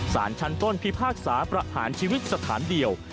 สารชั้นต้นพิพากษาประหารชีวิตสถานเดียว